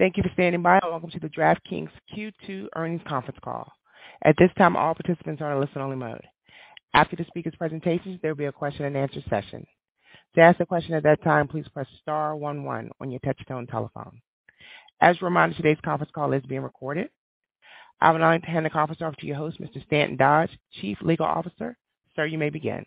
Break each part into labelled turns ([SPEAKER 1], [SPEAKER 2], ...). [SPEAKER 1] Thank you for standing by. Welcome to the DraftKings Q2 earnings conference call. At this time, all participants are in listen-only mode. After the speaker's presentations, there will be a question-and-answer session. To ask a question at that time, please press star one one on your touch-tone telephone. As a reminder, today's conference call is being recorded. I would now like to hand the conference off to your host, Mr. Stanton Dodge, Chief Legal Officer. Sir, you may begin.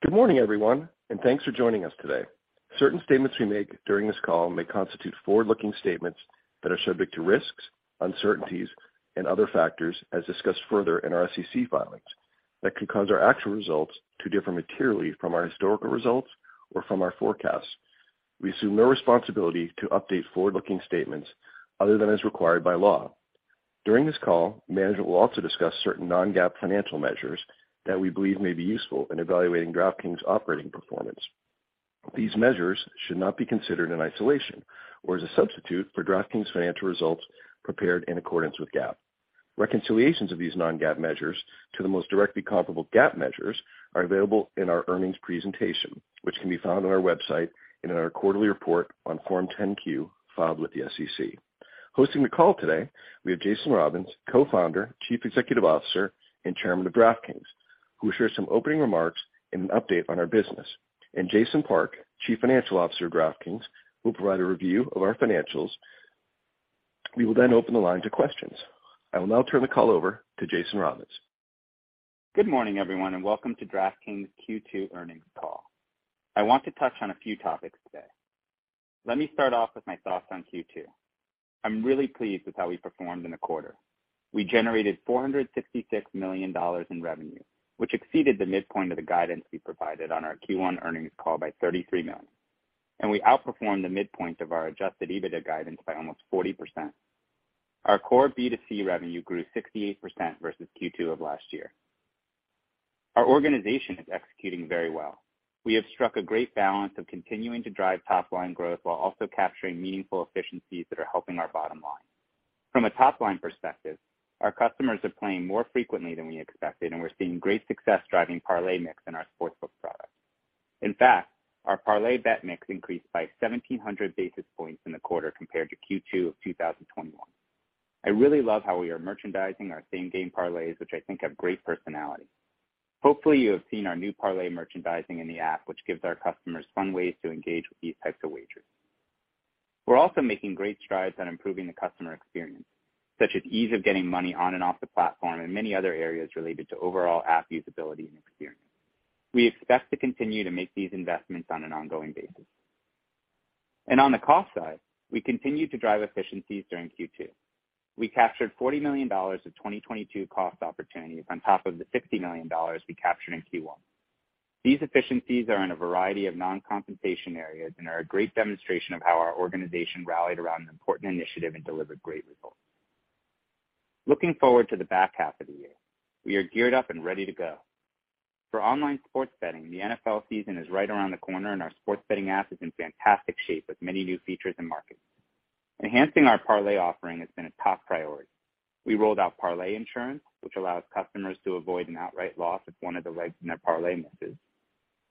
[SPEAKER 2] Good morning, everyone, and thanks for joining us today. Certain statements we make during this call may constitute forward-looking statements that are subject to risks, uncertainties and other factors as discussed further in our SEC filings that could cause our actual results to differ materially from our historical results or from our forecasts. We assume no responsibility to update forward-looking statements other than as required by law. During this call, management will also discuss certain Non-GAAP financial measures that we believe may be useful in evaluating DraftKings' operating performance. These measures should not be considered in isolation or as a substitute for DraftKings financial results prepared in accordance with GAAP. Reconciliations of these Non-GAAP measures to the most directly comparable GAAP measures are available in our earnings presentation, which can be found on our website and in our quarterly report on Form 10-Q filed with the SEC. Hosting the call today, we have Jason Robins, Co-founder, Chief Executive Officer and Chairman of DraftKings, who will share some opening remarks and an update on our business. Jason Park, Chief Financial Officer of DraftKings, will provide a review of our financials. We will then open the line to questions. I will now turn the call over to Jason Robins.
[SPEAKER 3] Good morning, everyone, and welcome to DraftKings Q2 earnings call. I want to touch on a few topics today. Let me start off with my thoughts on Q2. I'm really pleased with how we performed in the quarter. We generated $466 million in revenue, which exceeded the midpoint of the guidance we provided on our Q1 earnings call by $33 million, and we outperformed the midpoint of our Adjusted EBITDA guidance by almost 40%. Our core B2C revenue grew 68% versus Q2 of last year. Our organization is executing very well. We have struck a great balance of continuing to drive top line growth while also capturing meaningful efficiencies that are helping our bottom line. From a top-line perspective, our customers are playing more frequently than we expected, and we're seeing great success driving parlay mix in our sports book product. In fact, our parlay bet mix increased by 1,700 basis points in the quarter compared to Q2 of 2021. I really love how we are merchandising our same game parlays, which I think have great personality. Hopefully, you have seen our new parlay merchandising in the app, which gives our customers fun ways to engage with these types of wagers. We're also making great strides on improving the customer experience, such as ease of getting money on and off the platform and many other areas related to overall app usability and experience. We expect to continue to make these investments on an ongoing basis. On the cost side, we continue to drive efficiencies during Q2. We captured $40 million of 2022 cost opportunities on top of the $50 million we captured in Q1. These efficiencies are in a variety of non-compensation areas and are a great demonstration of how our organization rallied around an important initiative and delivered great results. Looking forward to the back half of the year. We are geared up and ready to go. For online sports betting, the NFL season is right around the corner and our sports betting app is in fantastic shape with many new features and markets. Enhancing our parlay offering has been a top priority. We rolled out parlay insurance, which allows customers to avoid an outright loss if one of the legs in their parlay misses.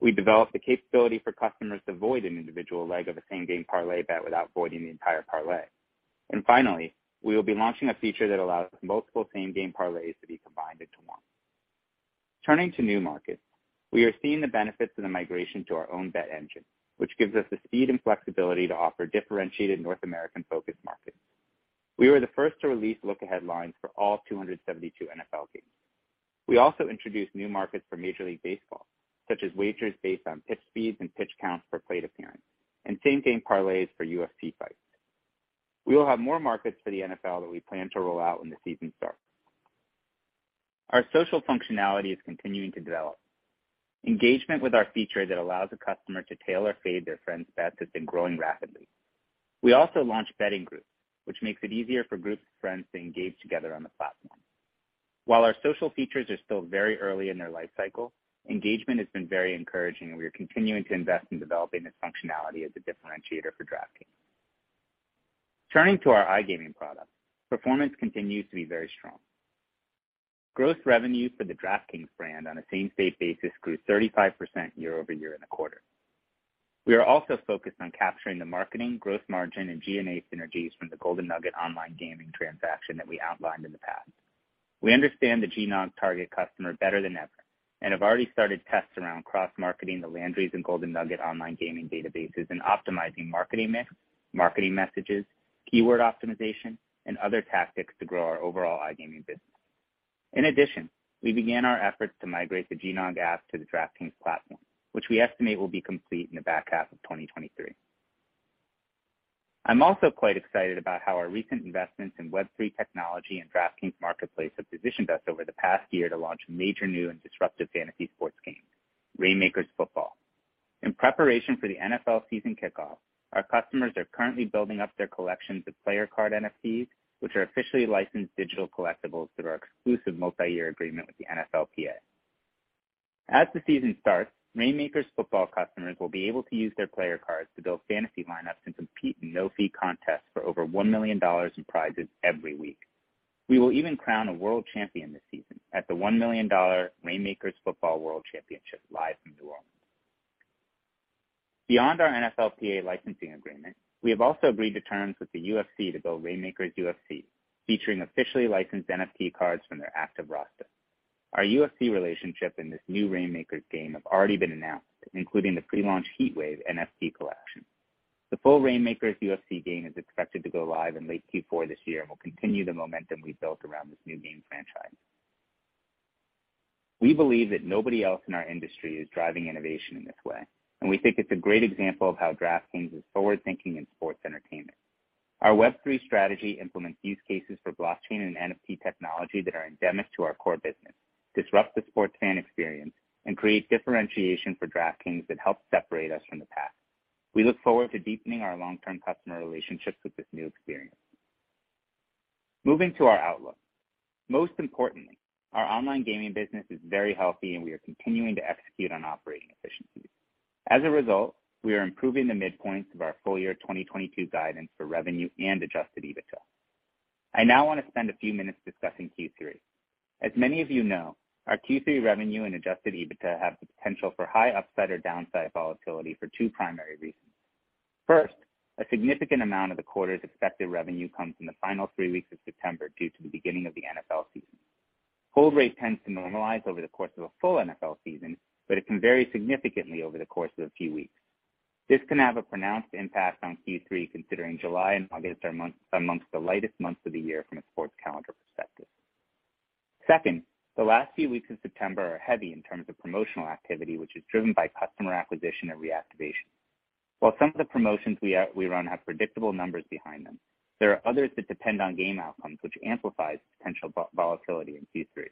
[SPEAKER 3] We developed the capability for customers to void an individual leg of a Same Game Parlay bet without voiding the entire parlay. Finally, we will be launching a feature that allows multiple Same Game Parlays to be combined into one. Turning to new markets, we are seeing the benefits of the migration to our own bet engine, which gives us the speed and flexibility to offer differentiated North American-focused markets. We were the first to release look-ahead lines for all 272 NFL games. We also introduced new markets for Major League Baseball, such as wagers based on pitch speeds and pitch counts per plate appearance, and Same Game Parlays for UFC fights. We will have more markets for the NFL that we plan to roll out when the season starts. Our social functionality is continuing to develop. Engagement with our feature that allows a customer to tail or fade their friend's bet has been growing rapidly. We also launched betting groups, which makes it easier for groups of friends to engage together on the platform. While our social features are still very early in their lifecycle, engagement has been very encouraging and we are continuing to invest in developing this functionality as a differentiator for DraftKings. Turning to our iGaming product, performance continues to be very strong. Gross revenue for the DraftKings brand on a same state basis grew 35% year-over-year in the quarter. We are also focused on capturing the marketing, growth margin, and G&A synergies from the Golden Nugget Online Gaming transaction that we outlined in the past. We understand the GNOG target customer better than ever and have already started tests around cross-marketing the Landry's and Golden Nugget Online Gaming databases and optimizing marketing mix, marketing messages, keyword optimization, and other tactics to grow our overall iGaming business. In addition, we began our efforts to migrate the GNOG app to the DraftKings platform, which we estimate will be complete in the back half of 2023. I'm also quite excited about how our recent investments in Web3 technology and DraftKings Marketplace have positioned us over the past year to launch major new and disruptive fantasy sports games, Reignmakers Football. In preparation for the NFL season kickoff, our customers are currently building up their collections of player card NFTs, which are officially licensed digital collectibles through our exclusive multi-year agreement with the NFLPA. As the season starts, Reignmakers Football customers will be able to use their player cards to build fantasy lineups and compete in no-fee contests for over $1 million in prizes every week. We will even crown a world champion this season at the $1 million Reignmakers Football World Championship live from New Orleans. Beyond our NFLPA licensing agreement, we have also agreed to terms with the UFC to build Reignmakers UFC, featuring officially licensed NFT cards from their active roster. Our UFC relationship in this new Reignmakers game have already been announced, including the pre-launch Heatwave Series. The full Reignmakers UFC game is expected to go live in late Q4 this year and will continue the momentum we've built around this new game franchise. We believe that nobody else in our industry is driving innovation in this way, and we think it's a great example of how DraftKings is forward-thinking in sports entertainment. Our Web3 strategy implements use cases for blockchain and NFT technology that are endemic to our core business, disrupt the sports fan experience, and create differentiation for DraftKings that help separate us from the past. We look forward to deepening our long-term customer relationships with this new experience. Moving to our outlook. Most importantly, our online gaming business is very healthy, and we are continuing to execute on operating efficiency. As a result, we are improving the midpoints of our full year 2022 guidance for revenue and Adjusted EBITDA. I now wanna spend a few minutes discussing Q3. As many of you know, our Q3 revenue and Adjusted EBITDA have the potential for high upside or downside volatility for two primary reasons. First, a significant amount of the quarter's expected revenue comes in the final three weeks of September due to the beginning of the NFL season. Hold rate tends to normalize over the course of a full NFL season, but it can vary significantly over the course of a few weeks. This can have a pronounced impact on Q3, considering July and August are amongst the lightest months of the year from a sports calendar perspective. Second, the last few weeks of September are heavy in terms of promotional activity, which is driven by customer acquisition and reactivation. While some of the promotions we run have predictable numbers behind them, there are others that depend on game outcomes, which amplifies potential volatility in Q3.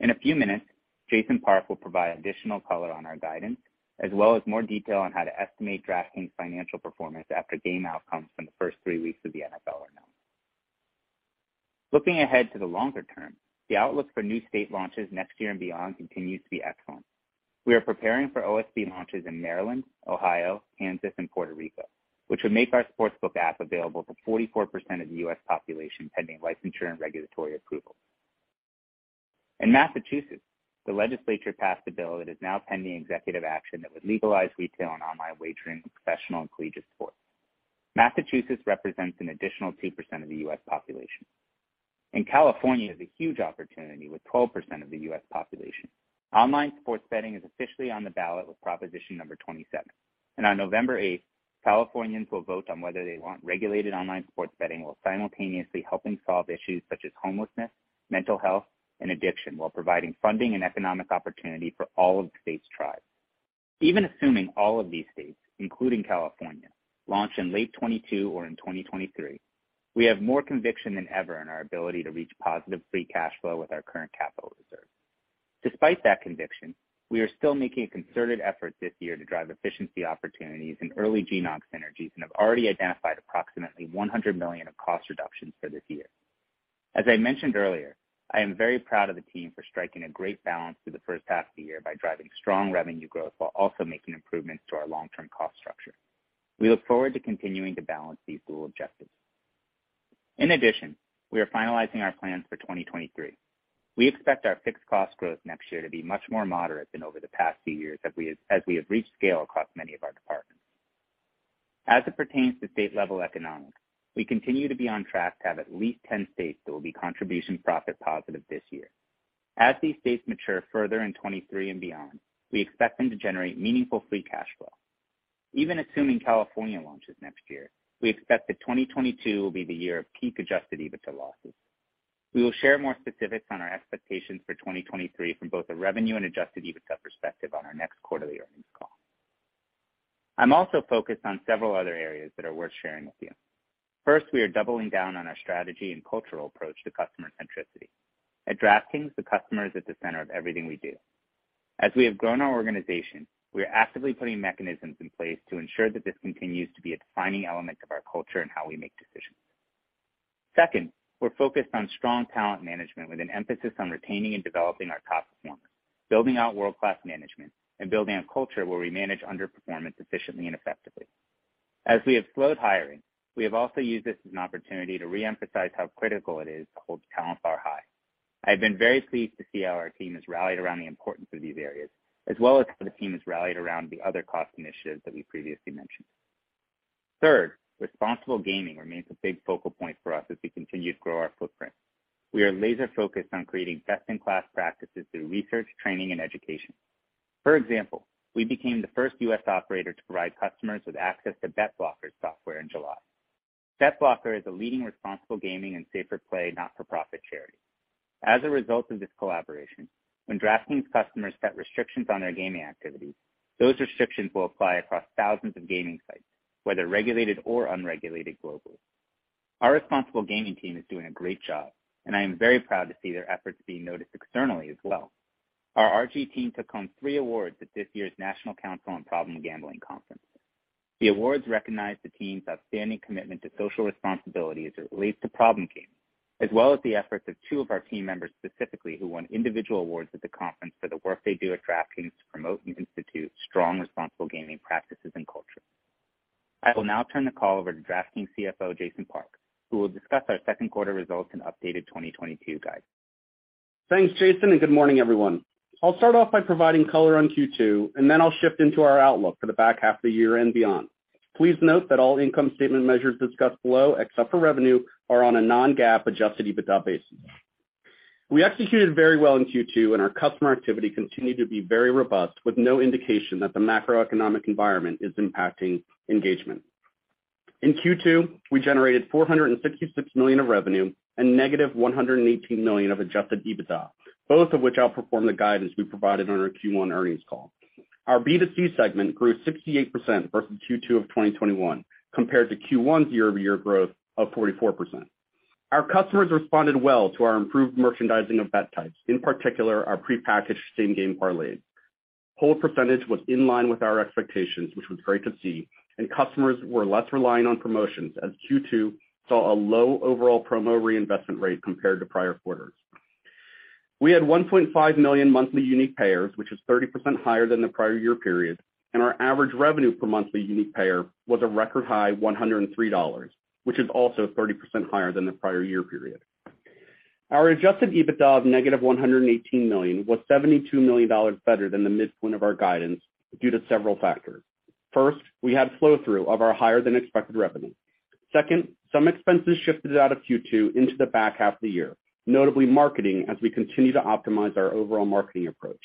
[SPEAKER 3] In a few minutes, Jason Park will provide additional color on our guidance, as well as more detail on how to estimate DraftKings' financial performance after game outcomes from the first three weeks of the NFL are known. Looking ahead to the longer term, the outlook for new state launches next year and beyond continues to be excellent. We are preparing for OSB launches in Maryland, Ohio, Kansas, and Puerto Rico, which would make our sports book app available to 44% of the U.S. population, pending licensure and regulatory approval. In Massachusetts, the legislature passed a bill that is now pending executive action that would legalize retail and online wagering with professional and collegiate sports. Massachusetts represents an additional 2% of the U.S. population, and California is a huge opportunity with 12% of the U.S. population. Online sports betting is officially on the ballot with Proposition 27, and on November eighth, Californians will vote on whether they want regulated online sports betting while simultaneously helping solve issues such as homelessness, mental health, and addiction, while providing funding and economic opportunity for all of the state's tribes. Even assuming all of these states, including California, launch in late 2022 or in 2023, we have more conviction than ever in our ability to reach positive free cash flow with our current capital reserve. Despite that conviction, we are still making a concerted effort this year to drive efficiency opportunities and early GNOG synergies and have already identified approximately $100 million in cost reductions for this year. As I mentioned earlier, I am very proud of the team for striking a great balance through the first half of the year by driving strong revenue growth while also making improvements to our long-term cost structure. We look forward to continuing to balance these dual objectives. In addition, we are finalizing our plans for 2023. We expect our fixed cost growth next year to be much more moderate than over the past few years as we have reached scale across many of our departments. As it pertains to state-level economics, we continue to be on track to have at least 10 states that will be contribution profit positive this year. As these states mature further in 2023 and beyond, we expect them to generate meaningful free cash flow. Even assuming California launches next year, we expect that 2022 will be the year of peak-Adjusted EBITDA losses. We will share more specifics on our expectations for 2023 from both a revenue and Adjusted EBITDA perspective on our next quarterly earnings call. I'm also focused on several other areas that are worth sharing with you. First, we are doubling down on our strategy and cultural approach to customer centricity. At DraftKings, the customer is at the center of everything we do. As we have grown our organization, we are actively putting mechanisms in place to ensure that this continues to be a defining element of our culture and how we make decisions. Second, we're focused on strong talent management with an emphasis on retaining and developing our top performers, building out world-class management, and building a culture where we manage underperformance efficiently and effectively. As we have slowed hiring, we have also used this as an opportunity to re-emphasize how critical it is to hold talent bar high. I've been very pleased to see how our team has rallied around the importance of these areas, as well as how the team has rallied around the other cost initiatives that we previously mentioned. Third, responsible gaming remains a big focal point for us as we continue to grow our footprint. We are laser-focused on creating best-in-class practices through research, training, and education. For example, we became the first U.S. operator to provide customers with access to BetBlocker software in July. BetBlocker is a leading responsible gaming and safer play not-for-profit charity. As a result of this collaboration, when DraftKings customers set restrictions on their gaming activity, those restrictions will apply across thousands of gaming sites, whether regulated or unregulated globally. Our responsible gaming team is doing a great job, and I am very proud to see their efforts being noticed externally as well. Our RG team took home three awards at this year's National Council on Problem Gambling conference. The awards recognized the team's outstanding commitment to social responsibility as it relates to problem gaming, as well as the efforts of two of our team members specifically who won individual awards at the conference for the work they do at DraftKings to promote and institute strong, responsible gaming practices and culture. I will now turn the call over to DraftKings CFO, Jason Park, who will discuss our second quarter results and updated 2022 guidance.
[SPEAKER 4] Thanks, Jason, and good morning, everyone. I'll start off by providing color on Q2, and then I'll shift into our outlook for the back half of the year and beyond. Please note that all income statement measures discussed below, except for revenue, are on a Non-GAAP Adjusted EBITDA basis. We executed very well in Q2, and our customer activity continued to be very robust, with no indication that the macroeconomic environment is impacting engagement. In Q2, we generated $466 million of revenue and -$118 million of Adjusted EBITDA, both of which outperformed the guidance we provided on our Q1 earnings call. Our B2C segment grew 68% versus Q2 of 2021 compared to Q1 year-over-year growth of 44%. Our customers responded well to our improved merchandising of bet types, in particular, our prepackaged Same Game Parlays. Hold percentage was in line with our expectations, which was great to see, and customers were less reliant on promotions as Q2 saw a low overall promo reinvestment rate compared to prior quarters. We had 1.5 million monthly unique payers, which is 30% higher than the prior year period, and our average revenue per monthly unique payer was a record high $103, which is also 30% higher than the prior year period. Our Adjusted EBITDA of -$118 million was $72 million better than the midpoint of our guidance due to several factors. First, we had flow-through of our higher than expected revenue. Second, some expenses shifted out of Q2 into the back half of the year, notably marketing, as we continue to optimize our overall marketing approach.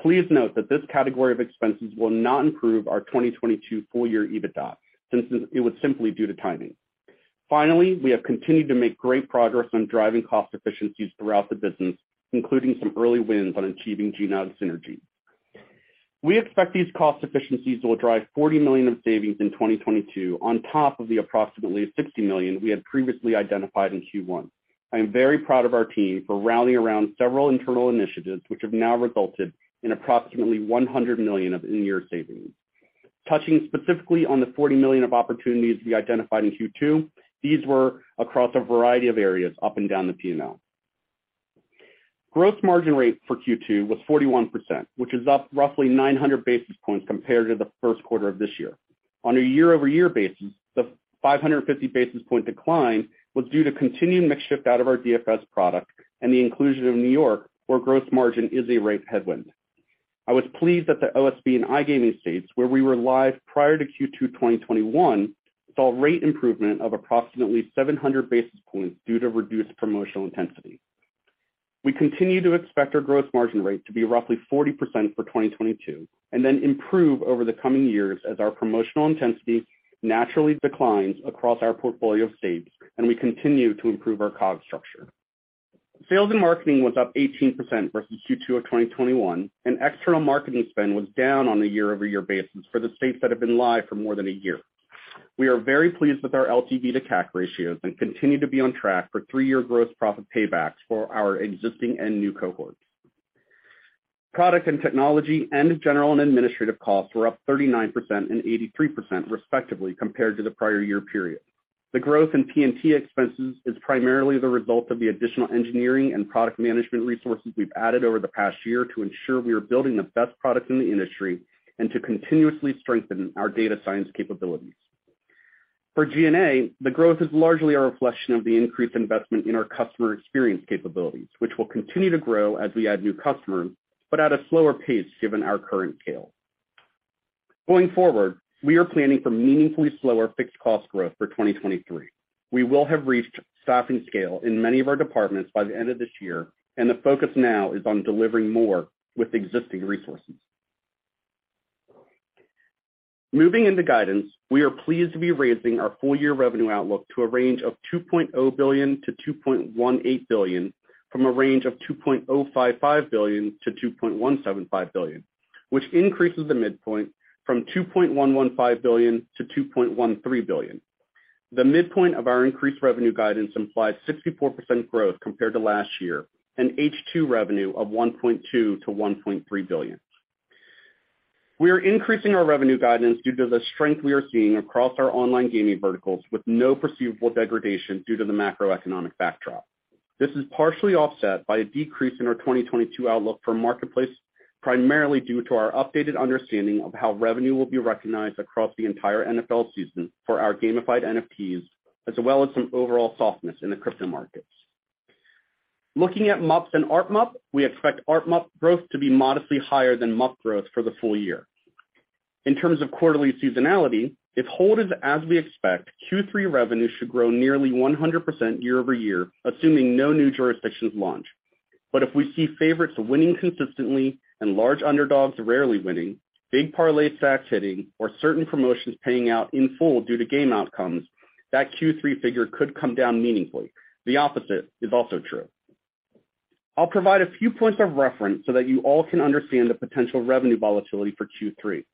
[SPEAKER 4] Please note that this category of expenses will not improve our 2022 full year EBITDA since it was simply due to timing. Finally, we have continued to make great progress on driving cost efficiencies throughout the business, including some early wins on achieving GNOG synergy. We expect these cost efficiencies will drive $40 million of savings in 2022 on top of the approximately $60 million we had previously identified in Q1. I am very proud of our team for rallying around several internal initiatives which have now resulted in approximately $100 million of in-year savings. Touching specifically on the $40 million of opportunities we identified in Q2, these were across a variety of areas up and down the P&L. Gross margin rate for Q2 was 41%, which is up roughly 900 basis points compared to the first quarter of this year. On a year-over-year basis, the 550 basis point decline was due to continuing mix shift out of our DFS product and the inclusion of New York, where gross margin is a rate headwind. I was pleased that the OSB and iGaming states where we were live prior to Q2 2021 saw rate improvement of approximately 700 basis points due to reduced promotional intensity. We continue to expect our gross margin rate to be roughly 40% for 2022, and then improve over the coming years as our promotional intensity naturally declines across our portfolio of states and we continue to improve our cost structure. Sales and marketing was up 18% versus Q2 of 2021, and external marketing spend was down on a year-over-year basis for the states that have been live for more than a year. We are very pleased with our LTV to CAC ratios and continue to be on track for three-year gross profit paybacks for our existing and new cohorts. Product and technology and general and administrative costs were up 39% and 83% respectively compared to the prior year period. The growth in P&T expenses is primarily the result of the additional engineering and product management resources we've added over the past year to ensure we are building the best products in the industry and to continuously strengthen our data science capabilities. For G&A, the growth is largely a reflection of the increased investment in our customer experience capabilities, which will continue to grow as we add new customers, but at a slower pace given our current scale. Going forward, we are planning for meaningfully slower fixed cost growth for 2023. We will have reached staffing scale in many of our departments by the end of this year, and the focus now is on delivering more with existing resources. Moving into guidance, we are pleased to be raising our full year revenue outlook to a range of $2.0 billion-$2.18 billion from a range of $2.055 billion-$2.175 billion, which increases the midpoint from $2.115 billion to $2.13 billion. The midpoint of our increased revenue guidance implies 64% growth compared to last year and H2 revenue of $1.2 billion-$1.3 billion. We are increasing our revenue guidance due to the strength we are seeing across our online gaming verticals with no perceivable degradation due to the macroeconomic backdrop. This is partially offset by a decrease in our 2022 outlook for Marketplace, primarily due to our updated understanding of how revenue will be recognized across the entire NFL season for our gamified NFTs, as well as some overall softness in the crypto markets. Looking at MUPs and ARPMUP, we expect ARPMUP growth to be modestly higher than MUP growth for the full year. In terms of quarterly seasonality, if hold is as we expect, Q3 revenue should grow nearly 100% year-over-year, assuming no new jurisdictions launch. If we see favorites winning consistently and large underdogs rarely winning, big parlay stacks hitting or certain promotions paying out in full due to game outcomes, that Q3 figure could come down meaningfully. The opposite is also true. I'll provide a few points of reference so that you all can understand the potential revenue volatility for Q3.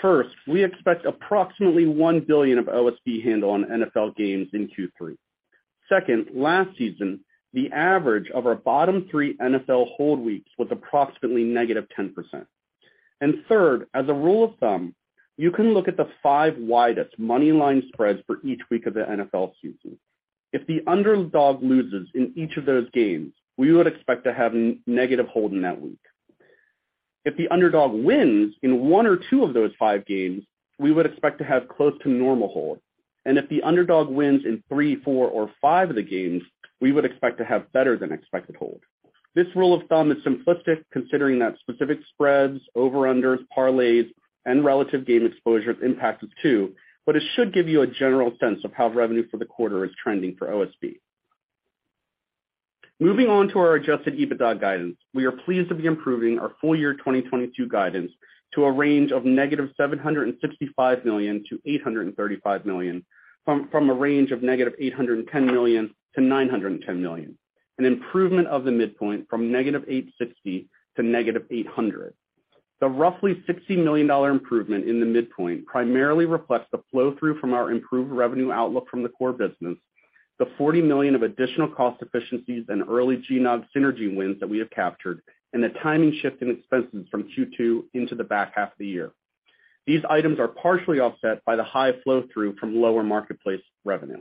[SPEAKER 4] First, we expect approximately $1 billion of OSB handle on NFL games in Q3. Second, last season, the average of our bottom three NFL hold weeks was approximately negative 10%. Third, as a rule of thumb, you can look at the five widest money line spreads for each week of the NFL season. If the underdog loses in each of those games, we would expect to have negative hold in that week. If the underdog wins in one or two of those five games, we would expect to have close to normal hold. If the underdog wins in 3, 4, or 5 of the games, we would expect to have better than expected hold. This rule of thumb is simplistic considering that specific spreads, over-unders, parlays, and relative game exposure impact it too, but it should give you a general sense of how revenue for the quarter is trending for OSB. Moving on to our Adjusted EBITDA guidance. We are pleased to be improving our full year 2022 guidance to a range of -$765 million to -$835 million, from a range of -$810 million to -$910 million, an improvement of the midpoint from -$860 to -$800. The roughly $60 million improvement in the midpoint primarily reflects the flow-through from our improved revenue outlook from the core business, the $40 million of additional cost efficiencies and early GNOG synergy wins that we have captured, and the timing shift in expenses from Q2 into the back half of the year. These items are partially offset by the high flow-through from lower marketplace revenue.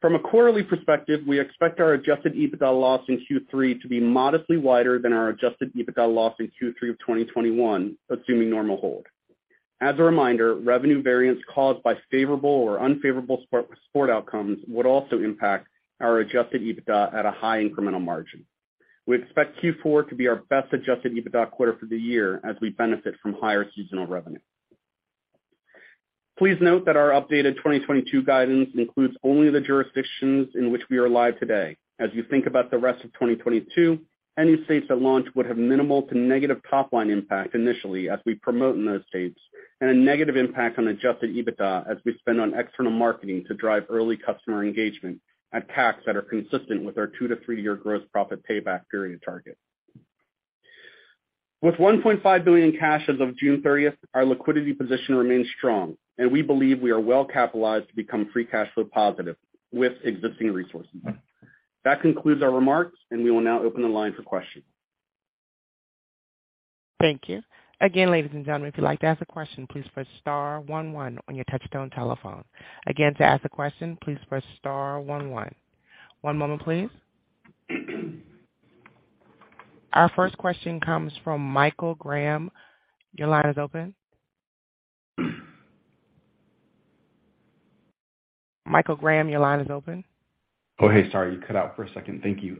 [SPEAKER 4] From a quarterly perspective, we expect our Adjusted EBITDA loss in Q3 to be modestly wider than our Adjusted EBITDA loss in Q3 of 2021, assuming normal hold. As a reminder, revenue variance caused by favorable or unfavorable sport outcomes would also impact our Adjusted EBITDA at a high incremental margin. We expect Q4 to be our best Adjusted EBITDA quarter for the year as we benefit from higher seasonal revenue. Please note that our updated 2022 guidance includes only the jurisdictions in which we are live today. As you think about the rest of 2022, any states that launch would have minimal to negative top line impact initially as we promote in those states, and a negative impact on Adjusted EBITDA as we spend on external marketing to drive early customer engagement at CACs that are consistent with our 2-3-year gross profit payback period target. With $1.5 billion cash as of June 30, our liquidity position remains strong, and we believe we are well capitalized to become free cash flow positive with existing resources. That concludes our remarks, and we will now open the line for questions.
[SPEAKER 1] Thank you. Again, ladies and gentlemen, if you'd like to ask a question, please press star one one on your touchtone telephone. Again, to ask a question, please press star one one. One moment, please. Our first question comes from Michael Graham. Your line is open. Michael Graham, your line is open.
[SPEAKER 5] Oh, hey, sorry. You cut out for a second. Thank you.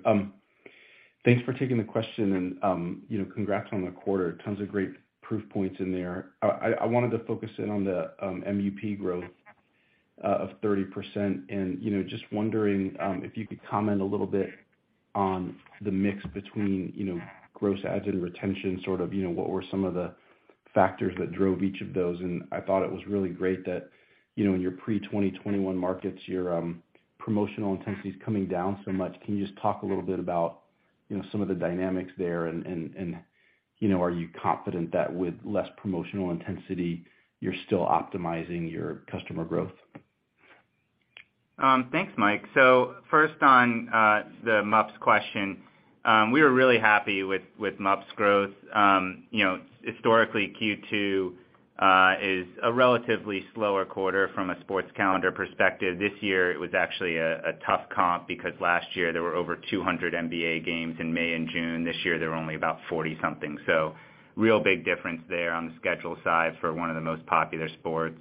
[SPEAKER 5] Thanks for taking the question and, you know, congrats on the quarter. Tons of great proof points in there. I wanted to focus in on the MUP growth of 30%. You know, just wondering if you could comment a little bit on the mix between, you know, gross adds and retention, sort of, you know, what were some of the factors that drove each of those. I thought it was really great that, you know, in your pre-2021 markets, your promotional intensity is coming down so much. Can you just talk a little bit about, you know, some of the dynamics there? You know, are you confident that with less promotional intensity, you're still optimizing your customer growth?
[SPEAKER 3] Thanks, Mike. First on the MUPs question. We were really happy with MUPs growth. You know, historically, Q2 is a relatively slower quarter from a sports calendar perspective. This year it was actually a tough comp because last year there were over 200 NBA games in May and June. This year there were only about 40-something. Real big difference there on the schedule side for one of the most popular sports.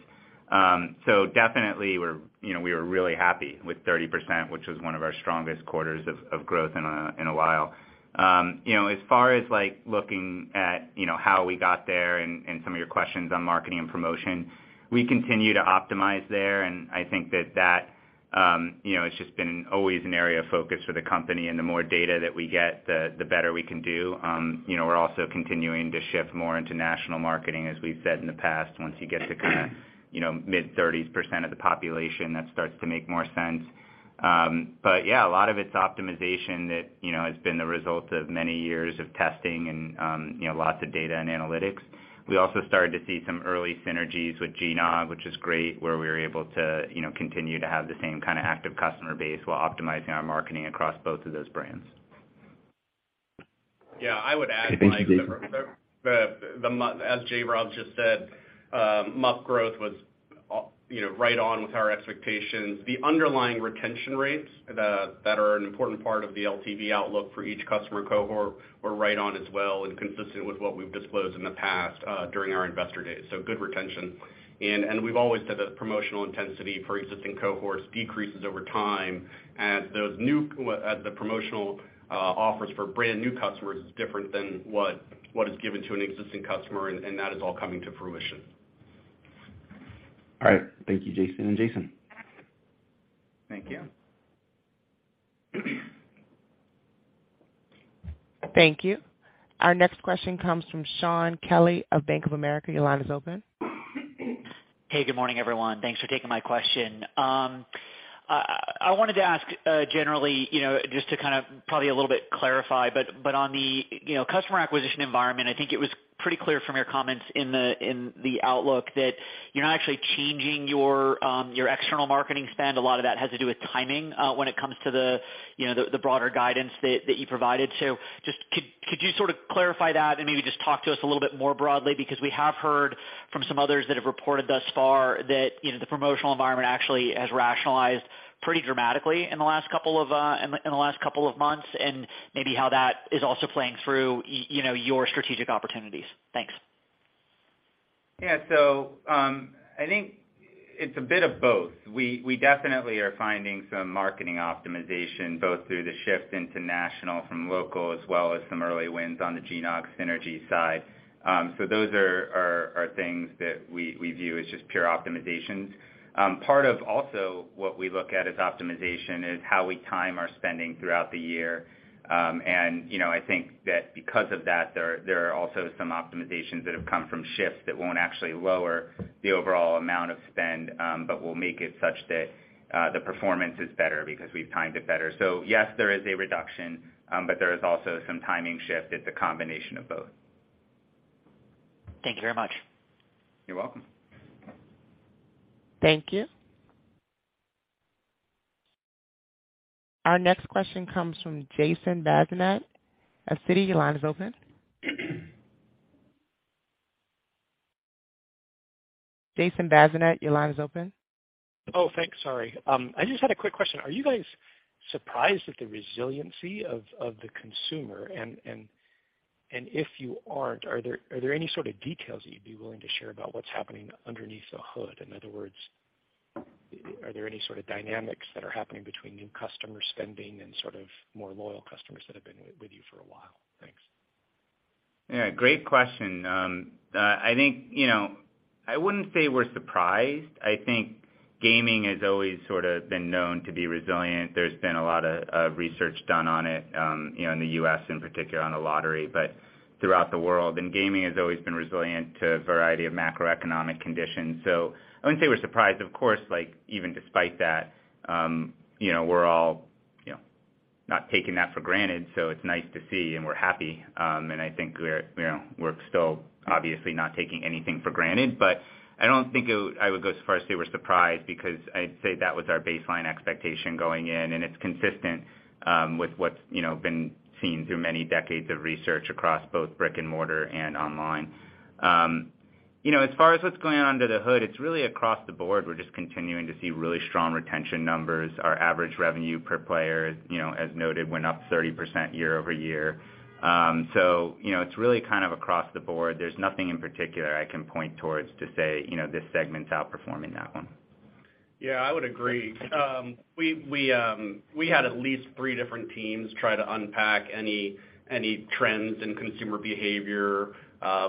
[SPEAKER 3] You know, we were really happy with 30%, which was one of our strongest quarters of growth in a while. You know, as far as like looking at you know, how we got there and some of your questions on marketing and promotion, we continue to optimize there. I think that, you know, it's just been always an area of focus for the company. The more data that we get, the better we can do. You know, we're also continuing to shift more into national marketing as we've said in the past. Once you get to kinda, you know, mid-30s% of the population, that starts to make more sense. But yeah, a lot of it's optimization that, you know, has been the result of many years of testing and, you know, lots of data and analytics. We also started to see some early synergies with GNOG, which is great, where we were able to, you know, continue to have the same kind of active customer base while optimizing our marketing across both of those brands.
[SPEAKER 4] Yeah, I would add, Mike.
[SPEAKER 5] Thanks, Jason.
[SPEAKER 4] The MUP as J Rob just said, you know, right on with our expectations. The underlying retention rates that are an important part of the LTV outlook for each customer cohort were right on as well and consistent with what we've disclosed in the past, during our investor days. Good retention. We've always said that promotional intensity for existing cohorts decreases over time as the promotional offers for brand new customers is different than what is given to an existing customer, and that is all coming to fruition.
[SPEAKER 5] All right. Thank you, Jason and Jason.
[SPEAKER 4] Thank you.
[SPEAKER 1] Thank you. Our next question comes from Shaun Kelley of Bank of America. Your line is open.
[SPEAKER 6] Hey, good morning, everyone. Thanks for taking my question. I wanted to ask generally, you know, just to kind of probably a little bit clarify, but on the, you know, customer acquisition environment, I think it was pretty clear from your comments in the outlook that you're not actually changing your external marketing spend. A lot of that has to do with timing when it comes to the, you know, the broader guidance that you provided. Just could you sort of clarify that and maybe just talk to us a little bit more broadly? Because we have heard from some others that have reported thus far that, you know, the promotional environment actually has rationalized pretty dramatically in the last couple of months and maybe how that is also playing through, you know, your strategic opportunities. Thanks.
[SPEAKER 3] Yeah. I think it's a bit of both. We definitely are finding some marketing optimization, both through the shift into national from local, as well as some early wins on the GNOG Synergy side. Those are things that we view as just pure optimization. Part of also what we look at as optimization is how we time our spending throughout the year. You know, I think that because of that, there are also some optimizations that have come from shifts that won't actually lower the overall amount of spend, but will make it such that the performance is better because we've timed it better. Yes, there is a reduction, but there is also some timing shift. It's a combination of both.
[SPEAKER 6] Thank you very much.
[SPEAKER 3] You're welcome.
[SPEAKER 1] Thank you. Our next question comes from Jason Bazinet at Citi. Your line is open. Jason Bazinet, your line is open.
[SPEAKER 7] Oh, thanks. Sorry. I just had a quick question. Are you guys surprised at the resiliency of the consumer? And if you aren't, are there any sort of details that you'd be willing to share about what's happening underneath the hood? In other words, are there any sort of dynamics that are happening between new customer spending and sort of more loyal customers that have been with you for a while? Thanks.
[SPEAKER 3] Yeah, great question. I think, you know, I wouldn't say we're surprised. I think gaming has always sorta been known to be resilient. There's been a lot of research done on it, you know, in the U.S. in particular on the lottery, but throughout the world. Gaming has always been resilient to a variety of macroeconomic conditions. I wouldn't say we're surprised. Of course, like, even despite that, you know, we're all, you know, not taking that for granted, so it's nice to see and we're happy. I think we're, you know, we're still obviously not taking anything for granted. I would go as far as say we're surprised because I'd say that was our baseline expectation going in, and it's consistent with what's, you know, been seen through many decades of research across both brick-and-mortar and online. You know, as far as what's going on under the hood, it's really across the board. We're just continuing to see really strong retention numbers. Our average revenue per player, you know, as noted, went up 30% year-over-year. So, you know, it's really kind of across the board. There's nothing in particular I can point towards to say, you know, this segment's outperforming that one.
[SPEAKER 4] Yeah, I would agree. We had at least three different teams try to unpack any trends in consumer behavior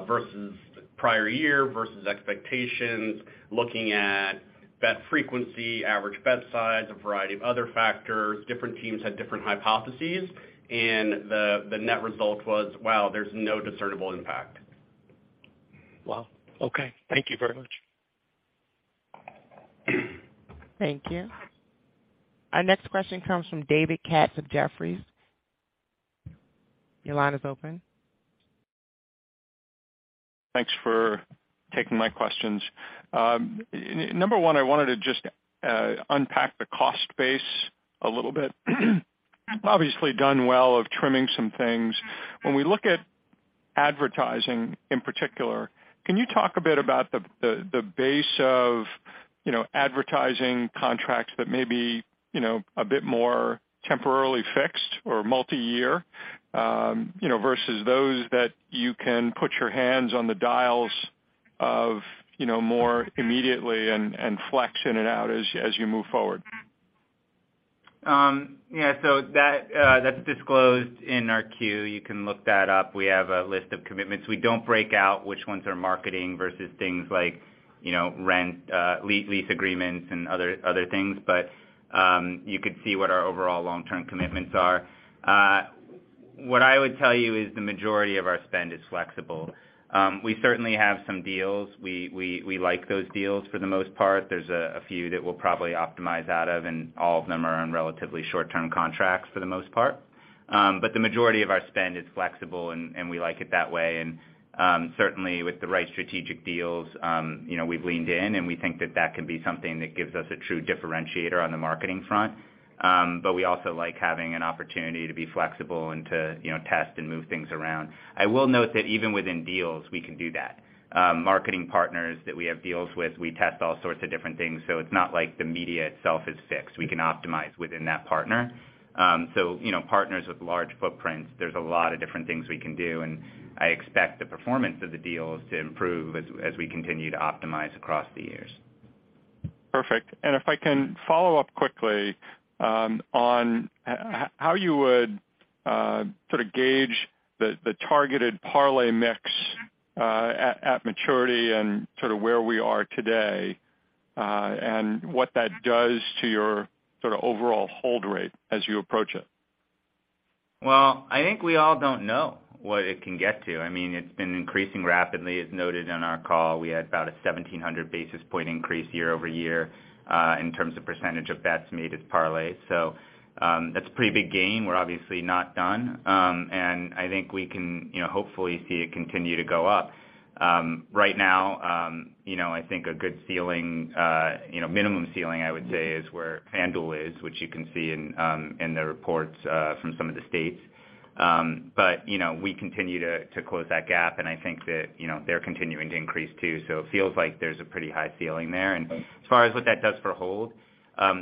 [SPEAKER 4] versus prior year versus expectations, looking at bet frequency, average bet size, a variety of other factors. Different teams had different hypotheses, and the net result was, wow, there's no discernible impact.
[SPEAKER 7] Wow. Okay. Thank you very much.
[SPEAKER 1] Thank you. Our next question comes from David Katz of Jefferies. Your line is open.
[SPEAKER 8] Thanks for taking my questions. Number one, I wanted to just unpack the cost base a little bit. Obviously done well of trimming some things. When we look at advertising in particular, can you talk a bit about the base of, you know, advertising contracts that may be, you know, a bit more temporarily fixed or multi-year, you know, versus those that you can put your hands on the dials of, you know, more immediately and flex in and out as you move forward?
[SPEAKER 3] Yeah, that’s disclosed in our 10-Q. You can look that up. We have a list of commitments. We don't break out which ones are marketing versus things like, you know, rent, lease agreements and other things. You could see what our overall long-term commitments are. What I would tell you is the majority of our spend is flexible. We certainly have some deals. We like those deals for the most part. There's a few that we'll probably optimize out of, and all of them are on relatively short-term contracts for the most part. The majority of our spend is flexible and we like it that way. Certainly with the right strategic deals, you know, we've leaned in and we think that that can be something that gives us a true differentiator on the marketing front. We also like having an opportunity to be flexible and to, you know, test and move things around. I will note that even within deals, we can do that. Marketing partners that we have deals with, we test all sorts of different things, so it's not like the media itself is fixed. We can optimize within that partner. You know, partners with large footprints, there's a lot of different things we can do, and I expect the performance of the deals to improve as we continue to optimize across the years.
[SPEAKER 8] Perfect. If I can follow up quickly, on how you would sort of gauge the targeted parlay mix, at maturity and sort of where we are today, and what that does to your sort of overall hold rate as you approach it?
[SPEAKER 3] I think we all don't know what it can get to. I mean, it's been increasing rapidly. As noted in our call, we had about a 1700 basis point increase year-over-year in terms of percentage of bets made as parlays. That's a pretty big gain. We're obviously not done. I think we can, you know, hopefully see it continue to go up. Right now, you know, I think a good ceiling, you know, minimum ceiling, I would say, is where FanDuel is, which you can see in the reports from some of the states. You know, we continue to close that gap and I think that, you know, they're continuing to increase too. It feels like there's a pretty high ceiling there. As far as what that does for hold,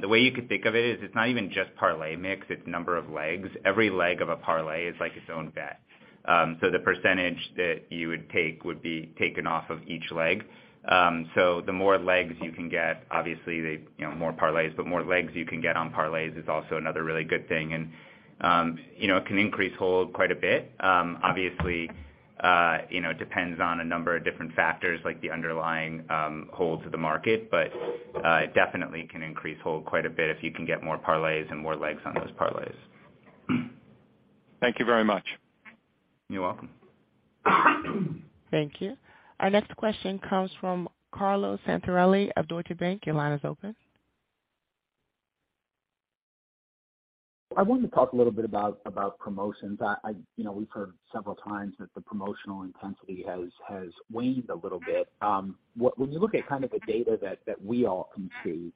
[SPEAKER 3] the way you could think of it is it's not even just parlay mix, it's number of legs. Every leg of a parlay is like its own bet. So the percentage that you would take would be taken off of each leg. So the more legs you can get, obviously, the, you know, more parlays, but more legs you can get on parlays is also another really good thing. You know, it can increase hold quite a bit. Obviously, you know, it depends on a number of different factors like the underlying holds of the market, but it definitely can increase hold quite a bit if you can get more parlays and more legs on those parlays.
[SPEAKER 8] Thank you very much.
[SPEAKER 3] You're welcome.
[SPEAKER 1] Thank you. Our next question comes from Carlo Santarelli of Deutsche Bank. Your line is open.
[SPEAKER 9] I wanted to talk a little bit about promotions. You know, we've heard several times that the promotional intensity has waned a little bit. When you look at kind of the data that we all can see,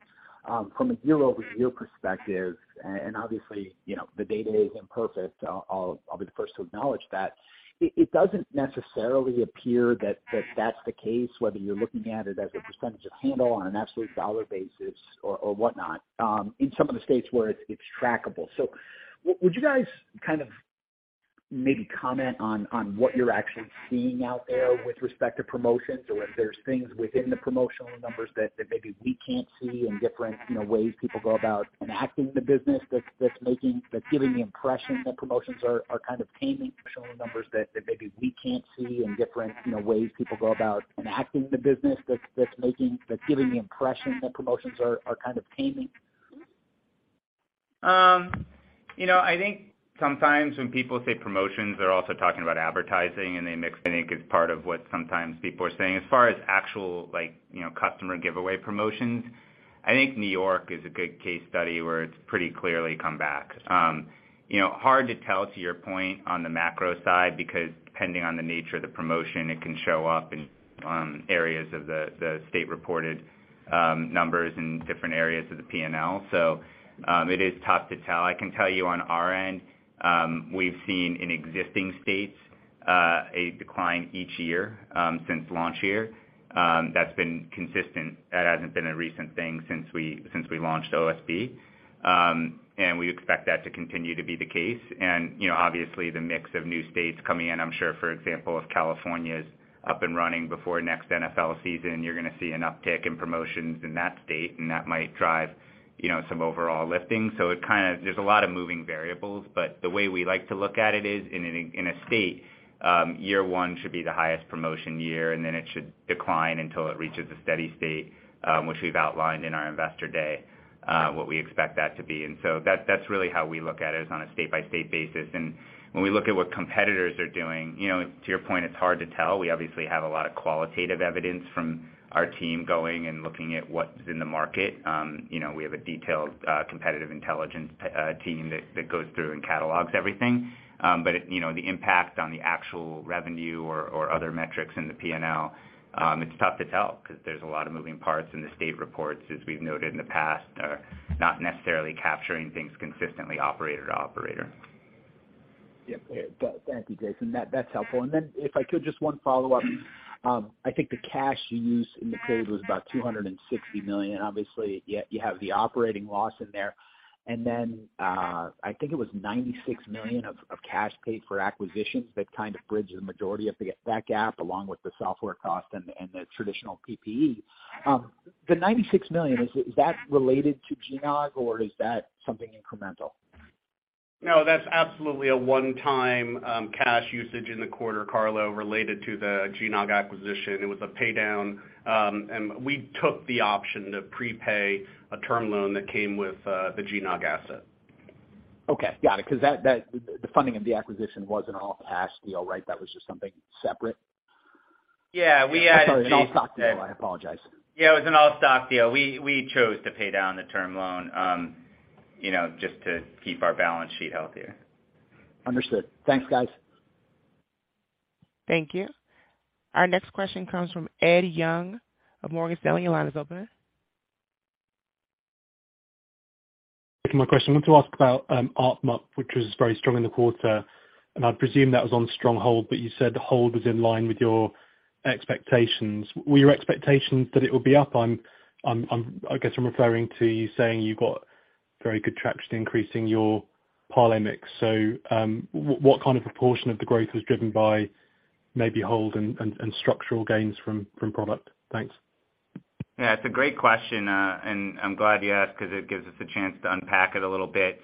[SPEAKER 9] from a year-over-year perspective, and obviously, you know, the data isn't perfect. I'll be the first to acknowledge that. It doesn't necessarily appear that that's the case, whether you're looking at it as a percentage of handle on an absolute dollar basis or whatnot, in some of the states where it's trackable. Would you guys kind of maybe comment on what you're actually seeing out there with respect to promotions or if there's things within the promotional numbers that maybe we can't see and different, you know, ways people go about enacting the business that's making, that's giving the impression that promotions are kind of taming?
[SPEAKER 3] You know, I think sometimes when people say promotions, they're also talking about advertising and they mix. I think it's part of what sometimes people are saying. As far as actual, like, you know, customer giveaway promotions, I think New York is a good case study where it's pretty clearly come back. You know, hard to tell, to your point, on the macro side because depending on the nature of the promotion, it can show up in areas of the state-reported numbers in different areas of the P&L. It is tough to tell. I can tell you on our end, we've seen in existing states a decline each year since launch year. That's been consistent. That hasn't been a recent thing since we launched OSB. We expect that to continue to be the case. You know, obviously, the mix of new states coming in, I'm sure, for example, if California's up and running before next NFL season, you're gonna see an uptick in promotions in that state, and that might drive, you know, some overall lifting. It kinda, there's a lot of moving variables, but the way we like to look at it is, in a state, year one should be the highest promotion year, and then it should decline until it reaches a steady state, which we've outlined in our investor day, what we expect that to be. That, that's really how we look at it, is on a state-by-state basis. When we look at what competitors are doing, you know, to your point, it's hard to tell. We obviously have a lot of qualitative evidence from our team going and looking at what's in the market. You know, we have a detailed competitive intelligence team that goes through and catalogs everything. You know, the impact on the actual revenue or other metrics in the P&L, it's tough to tell 'cause there's a lot of moving parts in the state reports, as we've noted in the past, are not necessarily capturing things consistently operator to operator.
[SPEAKER 9] Yep. Thank you, Jason. That’s helpful. If I could, just one follow-up. I think the cash you used in the period was about $260 million. Obviously, you have the operating loss in there. I think it was $96 million of cash paid for acquisitions that kind of bridge the majority of that gap, along with the software cost and the traditional PPE. The $96 million, is that related to GNOG, or is that something incremental?
[SPEAKER 4] No, that's absolutely a one-time cash usage in the quarter, Carlo, related to the GNOG acquisition. It was a paydown, and we took the option to prepay a term loan that came with the GNOG asset.
[SPEAKER 9] Okay, got it. 'Cause that the funding of the acquisition was an all-cash deal, right? That was just something separate?
[SPEAKER 3] Yeah, we had.
[SPEAKER 9] Sorry, an all-stock deal. I apologize.
[SPEAKER 3] Yeah, it was an all-stock deal. We chose to pay down the term loan, you know, just to keep our balance sheet healthier.
[SPEAKER 9] Understood. Thanks, guys.
[SPEAKER 1] Thank you. Our next question comes from Ed Young of Morgan Stanley. Your line is open.
[SPEAKER 10] My question, I want to ask about ARPMUP, which was very strong in the quarter. I presume that was on strong hold, but you said hold was in line with your expectations. Were your expectations that it would be up? I'm referring to you saying you got very good traction increasing your parlay mix. What kind of proportion of the growth was driven by maybe hold and structural gains from product? Thanks.
[SPEAKER 3] Yeah, it's a great question. I'm glad you asked 'cause it gives us a chance to unpack it a little bit.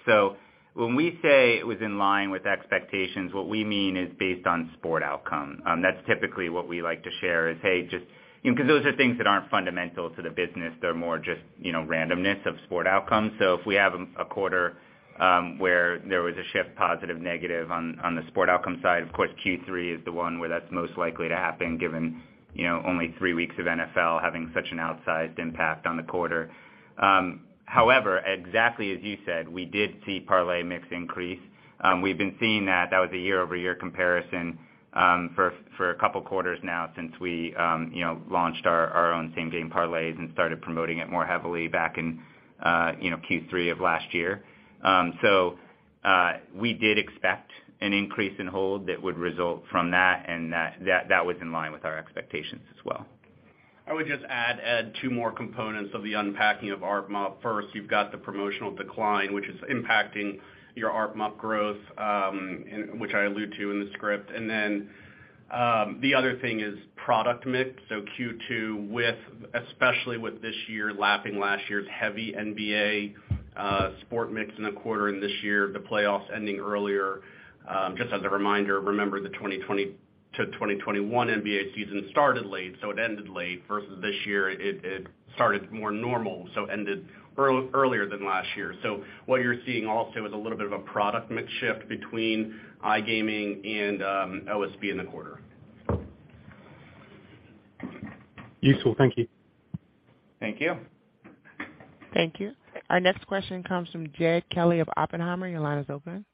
[SPEAKER 3] When we say it was in line with expectations, what we mean is based on sport outcome. That's typically what we like to share, hey, you know, 'cause those are things that aren't fundamental to the business. They're more just, you know, randomness of sport outcomes. If we have a quarter where there was a shift, positive, negative on the sport outcome side, of course, Q3 is the one where that's most likely to happen, given, you know, only three weeks of NFL having such an outsized impact on the quarter. However, exactly as you said, we did see parlay mix increase. We've been seeing that that was a year-over-year comparison for a couple quarters now since we you know launched our own Same Game Parlays and started promoting it more heavily back in you know Q3 of last year. So we did expect an increase in hold that would result from that and that was in line with our expectations as well.
[SPEAKER 4] I would just add, Ed, two more components of the unpacking of ARPMUP. First, you've got the promotional decline, which is impacting your ARPMUP growth, which I allude to in the script. Then the other thing is product mix. So Q2, especially with this year, lapping last year's heavy NBA sport mix in the quarter and this year, the playoffs ending earlier. Just as a reminder, remember the 2020 to 2021 NBA season started late, so it ended late, versus this year it started more normal, so ended earlier than last year. What you're seeing also is a little bit of a product mix shift between iGaming and OSB in the quarter.
[SPEAKER 10] Useful. Thank you.
[SPEAKER 3] Thank you.
[SPEAKER 1] Thank you. Our next question comes from Jed Kelly of Oppenheimer. Your line is open.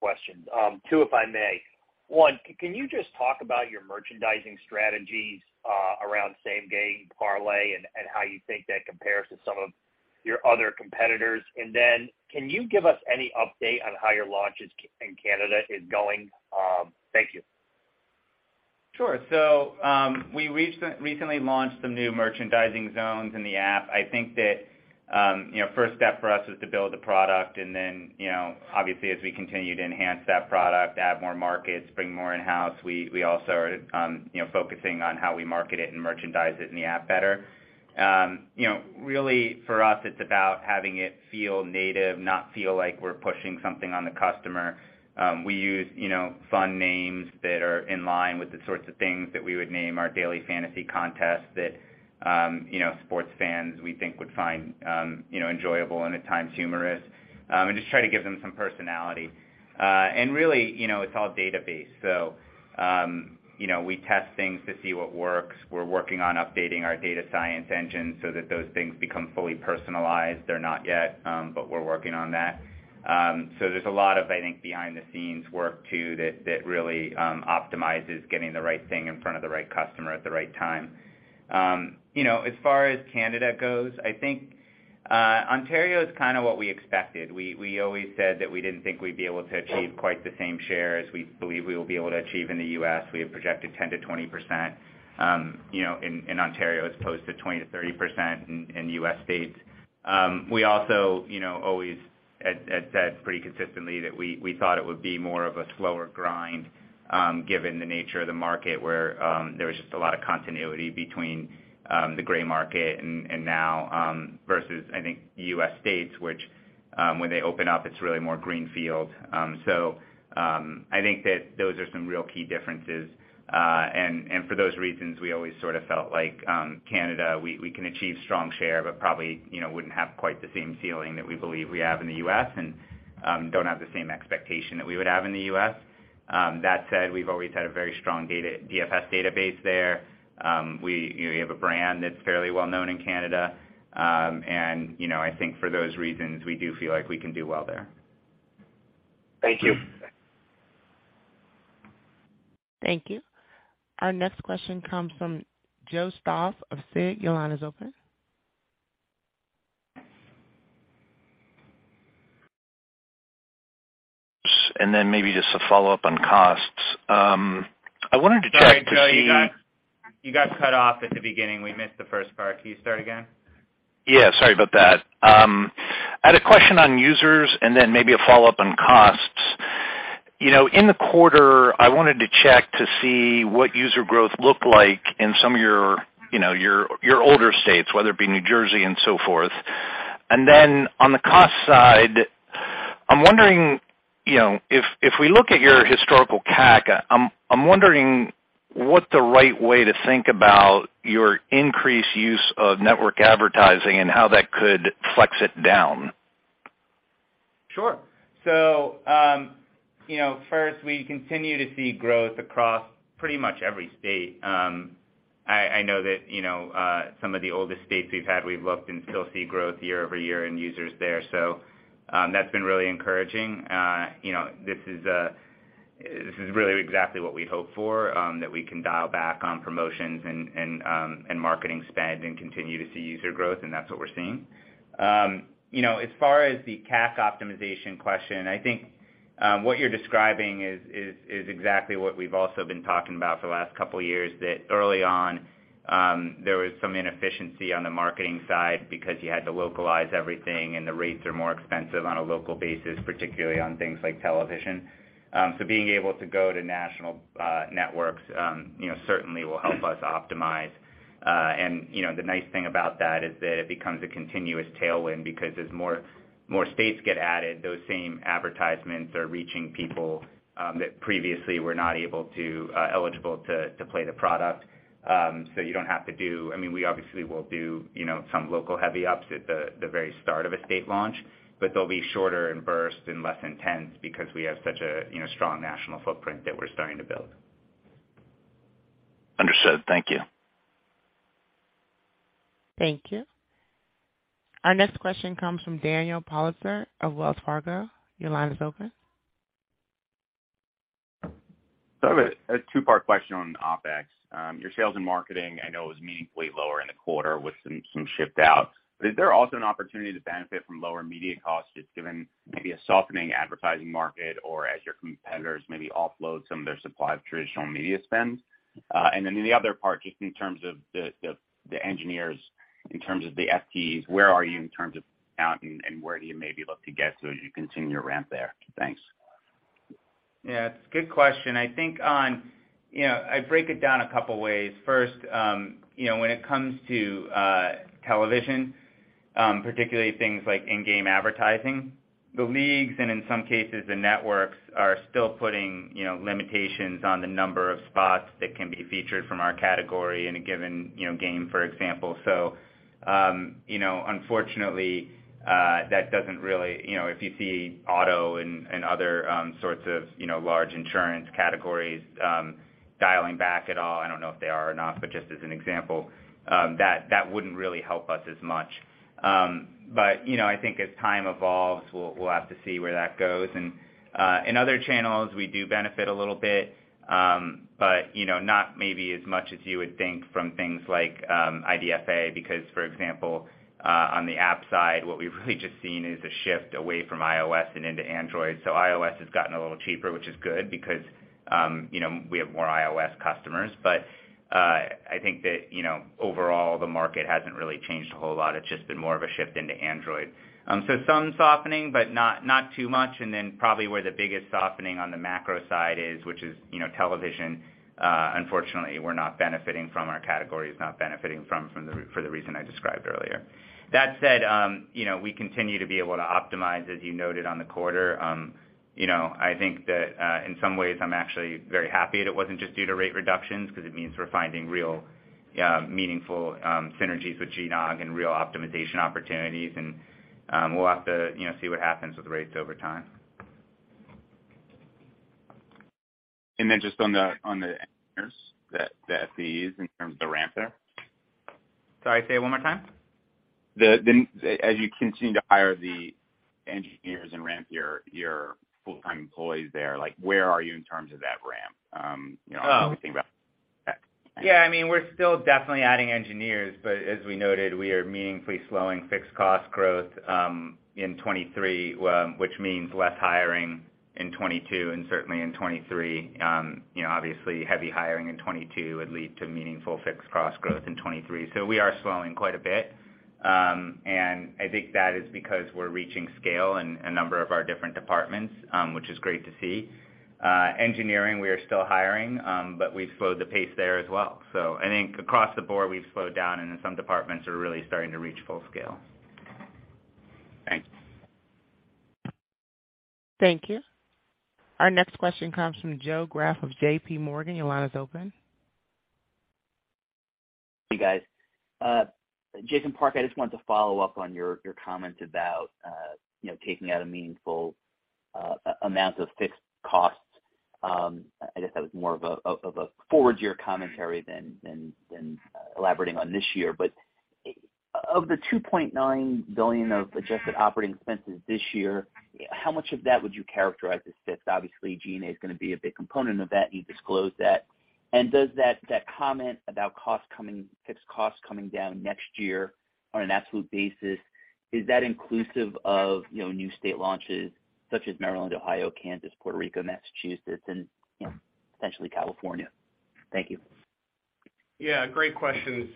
[SPEAKER 11] Question two, if I may. One, can you just talk about your merchandising strategies around Same Game Parlay and how you think that compares to some of your other competitors? Can you give us any update on how your launches in Canada is going? Thank you.
[SPEAKER 3] Sure. We recently launched some new merchandising zones in the app. I think that, you know, first step for us is to build the product and then, you know, obviously, as we continue to enhance that product, add more markets, bring more in-house. We also are, you know, focusing on how we market it and merchandise it in the app better. You know, really for us it's about having it feel native, not feel like we're pushing something on the customer. We use, you know, fun names that are in line with the sorts of things that we would name our daily fantasy contest that, you know, sports fans we think would find, you know, enjoyable and at times humorous. Just try to give them some personality. Really, you know, it's all data-based. You know, we test things to see what works. We're working on updating our data science engine so that those things become fully personalized. They're not yet, but we're working on that. There's a lot of, I think, behind-the-scenes work too that really optimizes getting the right thing in front of the right customer at the right time. You know, as far as Canada goes, I think, Ontario is kind of what we expected. We always said that we didn't think we'd be able to achieve quite the same share as we believe we will be able to achieve in the U.S. We have projected 10%-20%, you know, in Ontario as opposed to 20%-30% in the U.S. states. We also, you know, always had said pretty consistently that we thought it would be more of a slower grind, given the nature of the market, where there was just a lot of continuity between the gray market and now versus, I think the U.S. states, which, when they open up, it's really more greenfield. I think that those are some real key differences. For those reasons, we always sort of felt like Canada we can achieve strong share but probably, you know, wouldn't have quite the same ceiling that we believe we have in the U.S. And don't have the same expectation that we would have in the U.S. That said, we've always had a very strong DFS database there. We, you know, have a brand that's fairly well known in Canada. You know, I think for those reasons we do feel like we can do well there.
[SPEAKER 11] Thank you.
[SPEAKER 1] Thank you. Our next question comes from Joseph Stauff of Susquehanna. Your line is open.
[SPEAKER 12] Maybe just a follow-up on costs. I wanted to check to see.
[SPEAKER 3] Sorry, Joe. You got cut off at the beginning. We missed the first part. Can you start again?
[SPEAKER 12] Yeah, sorry about that. I had a question on users and then maybe a follow-up on costs. You know, in the quarter, I wanted to check to see what user growth looked like in some of your, you know, older states, whether it be New Jersey and so forth. On the cost side, I'm wondering, you know, if we look at your historical CAC, I'm wondering what the right way to think about your increased use of network advertising and how that could flex it down.
[SPEAKER 3] Sure. You know, first we continue to see growth across pretty much every state. I know that, you know, some of the oldest states we've had, we've looked and still see growth year-over-year in users there. That's been really encouraging. You know, this is really exactly what we hope for, that we can dial back on promotions and marketing spend and continue to see user growth, and that's what we're seeing. You know, as far as the CAC optimization question, I think what you're describing is exactly what we've also been talking about for the last couple of years, that early on there was some inefficiency on the marketing side because you had to localize everything and the rates are more expensive on a local basis, particularly on things like television. Being able to go to national networks, you know, certainly will help us optimize. You know, the nice thing about that is that it becomes a continuous tailwind because as more states get added, those same advertisements are reaching people that previously were not eligible to play the product. You don't have to do. I mean, we obviously will do, you know, some local heavy ups at the very start of a state launch, but they'll be shorter in burst and less intense because we have such a, you know, strong national footprint that we're starting to build.
[SPEAKER 12] Understood. Thank you.
[SPEAKER 1] Thank you. Our next question comes from Daniel Politzer of Wells Fargo. Your line is open.
[SPEAKER 13] I have a two-part question on OpEx. Your sales and marketing I know is meaningfully lower in the quarter with some shifted out. Is there also an opportunity to benefit from lower media costs just given maybe a softening advertising market or as your competitors maybe offload some of their supply of traditional media spends? Then the other part, just in terms of the engineers, in terms of the FTEs, where are you in terms of count and where do you maybe look to get to as you continue to ramp there? Thanks.
[SPEAKER 3] Yeah, it's a good question. I think. You know, I break it down a couple ways. First, you know, when it comes to television, particularly things like in-game advertising, the leagues and in some cases the networks are still putting you know, limitations on the number of spots that can be featured from our category in a given you know, game, for example. So, you know, unfortunately, that doesn't really. You know, if you see auto and other sorts of you know, large insurance categories, dialing back at all, I don't know if they are or not, but just as an example, that wouldn't really help us as much. You know, I think as time evolves, we'll have to see where that goes. In other channels, we do benefit a little bit, but, you know, not maybe as much as you would think from things like IDFA because, for example, on the app side, what we've really just seen is a shift away from iOS and into Android. iOS has gotten a little cheaper, which is good because, you know, we have more iOS customers. I think that, you know, overall, the market hasn't really changed a whole lot. It's just been more of a shift into Android. Some softening, but not too much. Probably where the biggest softening on the macro side is, which is, you know, television, unfortunately, our category is not benefiting from for the reason I described earlier. That said, you know, we continue to be able to optimize, as you noted on the quarter. You know, I think that, in some ways I'm actually very happy that it wasn't just due to rate reductions because it means we're finding real, meaningful, synergies with GNOG and real optimization opportunities. We'll have to, you know, see what happens with rates over time.
[SPEAKER 13] Just on the engineers, the FTEs in terms of the ramp there.
[SPEAKER 3] Sorry, say it one more time.
[SPEAKER 13] As you continue to hire the engineers and ramp your full-time employees there, like where are you in terms of that ramp? You know. When we think about that.
[SPEAKER 3] Yeah, I mean, we're still definitely adding engineers, but as we noted, we are meaningfully slowing fixed cost growth in 2023, which means less hiring in 2022 and certainly in 2023. You know, obviously heavy hiring in 2022 would lead to meaningful fixed cost growth in 2023. We are slowing quite a bit. I think that is because we're reaching scale in a number of our different departments, which is great to see. Engineering, we are still hiring, but we've slowed the pace there as well. I think across the board we've slowed down and in some departments are really starting to reach full scale.
[SPEAKER 13] Thanks.
[SPEAKER 1] Thank you. Our next question comes from Joseph Greff of J.P. Morgan. Your line is open.
[SPEAKER 14] Hey, guys. Jason Park, I just wanted to follow up on your comment about, you know, taking out a meaningful amount of fixed costs. I guess that was more of a forward year commentary than elaborating on this year. Of the $2.9 billion of adjusted operating expenses this year, how much of that would you characterize as fixed? Obviously, G&A is gonna be a big component of that, you disclosed that. Does that comment about fixed costs coming down next year on an absolute basis, is that inclusive of, you know, new state launches such as Maryland, Ohio, Kansas, Puerto Rico, Massachusetts, and, you know, potentially California? Thank you.
[SPEAKER 4] Yeah, great question.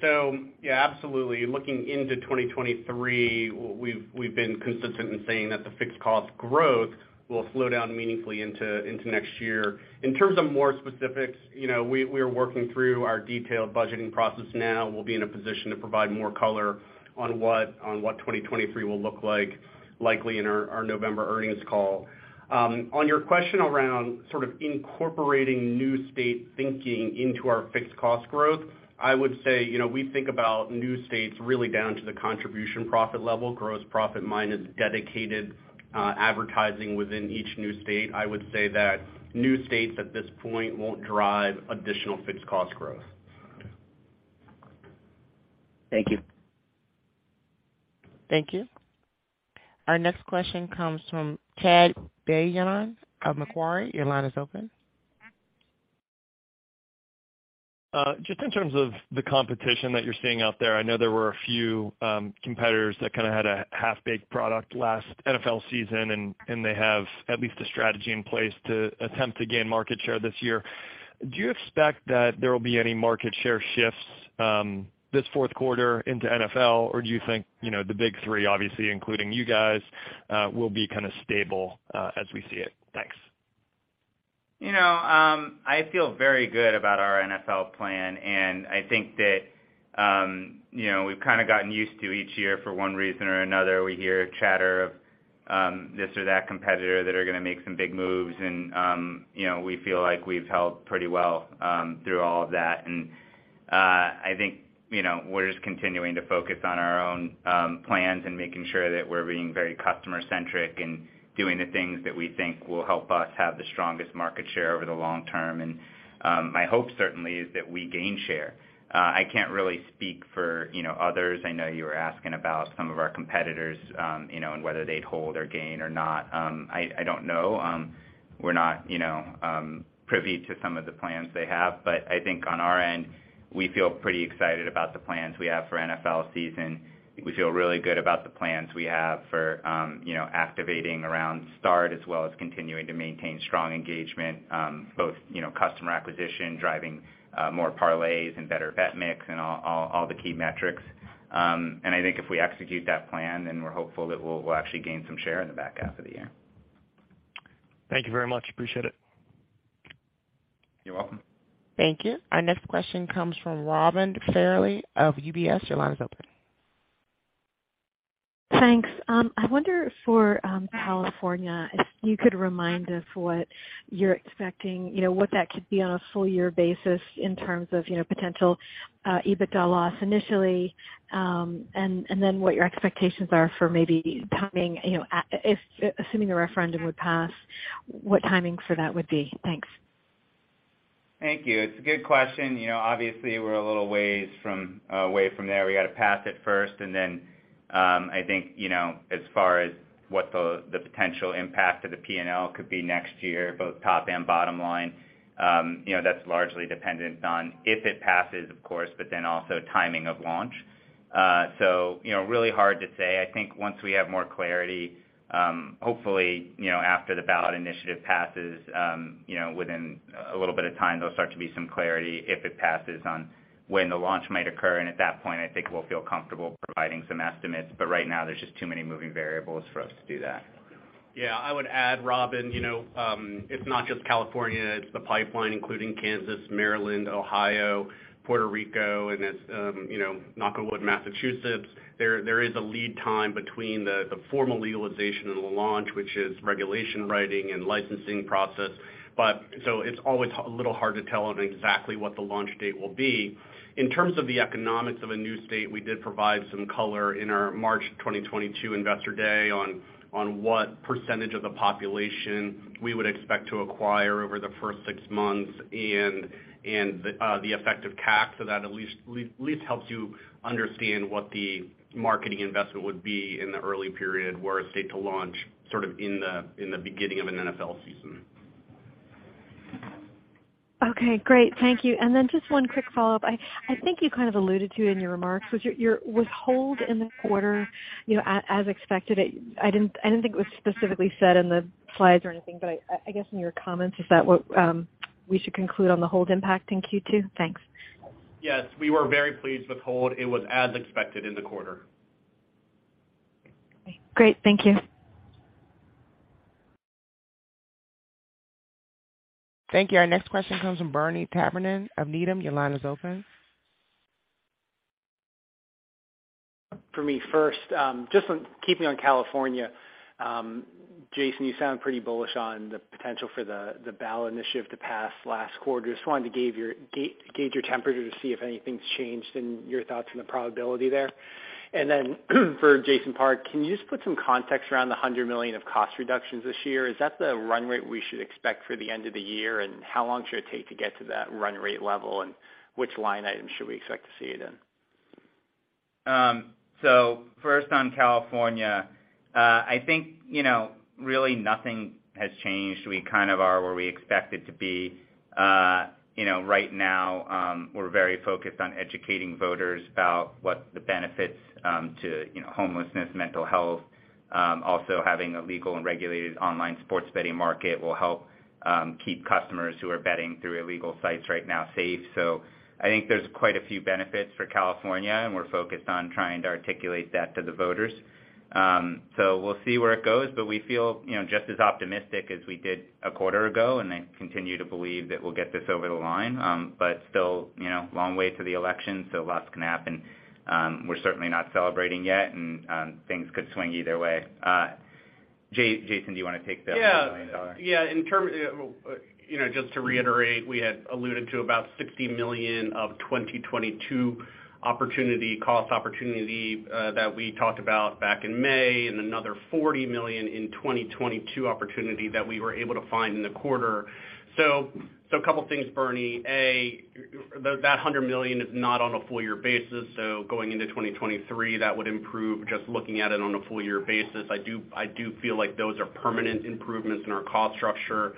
[SPEAKER 4] Yeah, absolutely. Looking into 2023, we've been consistent in saying that the fixed cost growth will slow down meaningfully into next year. In terms of more specifics, you know, we are working through our detailed budgeting process now. We'll be in a position to provide more color on what 2023 will look like, likely in our November earnings call. On your question around sort of incorporating new state thinking into our fixed cost growth, I would say, you know, we think about new states really down to the contribution profit level, gross profit minus dedicated advertising within each new state. I would say that new states at this point won't drive additional fixed cost growth.
[SPEAKER 14] Thank you.
[SPEAKER 1] Thank you. Our next question comes from Chad Beynon of Macquarie. Your line is open.
[SPEAKER 15] Just in terms of the competition that you're seeing out there, I know there were a few competitors that kind of had a half-baked product last NFL season, and they have at least a strategy in place to attempt to gain market share this year. Do you expect that there will be any market share shifts this fourth quarter into NFL? Or do you think, you know, the big three, obviously including you guys, will be kind of stable as we see it? Thanks.
[SPEAKER 3] You know, I feel very good about our NFL plan, and I think that, you know, we've kind of gotten used to each year for one reason or another, we hear chatter of, this or that competitor that are gonna make some big moves. You know, we feel like we've held pretty well, through all of that. I think, you know, we're just continuing to focus on our own, plans and making sure that we're being very customer-centric and doing the things that we think will help us have the strongest market share over the long term. My hope certainly is that we gain share. I can't really speak for, you know, others. I know you were asking about some of our competitors, you know, and whether they'd hold or gain or not. I don't know. We're not, you know, privy to some of the plans they have. I think on our end, we feel pretty excited about the plans we have for NFL season. We feel really good about the plans we have for, you know, activating around start, as well as continuing to maintain strong engagement, both, you know, customer acquisition, driving more parlays and better bet mix and all the key metrics. I think if we execute that plan, then we're hopeful that we'll actually gain some share in the back half of the year.
[SPEAKER 15] Thank you very much. Appreciate it.
[SPEAKER 3] You're welcome.
[SPEAKER 1] Thank you. Our next question comes from Robin Farley of UBS. Your line is open.
[SPEAKER 16] Thanks. I wonder for California, if you could remind us what you're expecting, you know, what that could be on a full year basis in terms of, you know, potential EBITDA loss initially, and then what your expectations are for maybe timing, you know, assuming the referendum would pass, what timing for that would be? Thanks.
[SPEAKER 3] Thank you. It's a good question. You know, obviously, we're a little ways away from there. We gotta pass it first, and then, I think, you know, as far as what the potential impact of the P&L could be next year, both top and bottom line, you know, that's largely dependent on if it passes, of course, but then also timing of launch. So, you know, really hard to say. I think once we have more clarity, hopefully, you know, after the ballot initiative passes, you know, within a little bit of time, there'll start to be some clarity, if it passes, on when the launch might occur. At that point, I think we'll feel comfortable providing some estimates. Right now, there's just too many moving variables for us to do that.
[SPEAKER 4] Yeah. I would add, Robin, you know, it's not just California, it's the pipeline, including Kansas, Maryland, Ohio, Puerto Rico, and it's, you know, knock on wood, Massachusetts. There is a lead time between the formal legalization and the launch, which is regulation writing and licensing process. It's always a little hard to tell on exactly what the launch date will be. In terms of the economics of a new state, we did provide some color in our March 2022 Investor Day on what percentage of the population we would expect to acquire over the first six months and the effect of CAC. So that at least helps you understand what the marketing investment would be in the early period were a state to launch sort of in the beginning of an NFL season.
[SPEAKER 16] Okay, great. Thank you. Then just one quick follow-up. I think you kind of alluded to in your remarks was your withhold in the quarter, you know, as expected. I didn't think it was specifically said in the slides or anything, but I guess in your comments, is that what we should conclude on the hold impact in Q2? Thanks.
[SPEAKER 4] Yes. We were very pleased with hold. It was as expected in the quarter.
[SPEAKER 16] Great. Thank you.
[SPEAKER 1] Thank you. Our next question comes from Bernie McTernan of Needham. Your line is open.
[SPEAKER 17] For me first, just on keeping on California, Jason, you sound pretty bullish on the potential for the ballot initiative to pass last quarter. Just wanted to gauge your temperature to see if anything's changed in your thoughts on the probability there. Then for Jason Park, can you just put some context around the $100 million of cost reductions this year? Is that the run rate we should expect for the end of the year? How long should it take to get to that run rate level, and which line item should we expect to see it in?
[SPEAKER 3] First on California, I think, you know, really nothing has changed. We kind of are where we expect it to be. You know, right now, we're very focused on educating voters about what the benefits to, you know, homelessness, mental health, also having a legal and regulated online sports betting market will help keep customers who are betting through illegal sites right now safe. I think there's quite a few benefits for California, and we're focused on trying to articulate that to the voters. We'll see where it goes, but we feel, you know, just as optimistic as we did a quarter ago, and I continue to believe that we'll get this over the line. But still, you know, long way to the election, so lots can happen. We're certainly not celebrating yet, and things could swing either way. Jason, do you wanna take the $100 million dollar?
[SPEAKER 4] Yeah. Yeah. You know, just to reiterate, we had alluded to about $60 million of 2022 opportunity, cost opportunity, that we talked about back in May, and another $40 million in 2022 opportunity that we were able to find in the quarter. So a couple things, Bernie. A, that $100 million is not on a full year basis, so going into 2023, that would improve just looking at it on a full year basis. I do feel like those are permanent improvements in our cost structure.